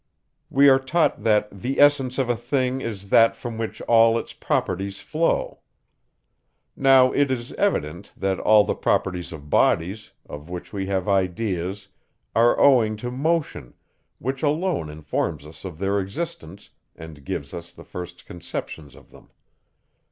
We are taught, that the essence of a thing is that from which all its properties flow. Now, it is evident, that all the properties of bodies, of which we have ideas, are owing to motion, which alone informs us of their existence, and gives us the first conceptions of them.